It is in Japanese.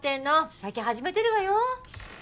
先始めてるわよ。